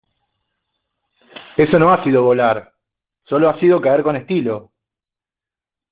¡ Eso no ha sido volar! ¡ sólo ha sido caer con estilo !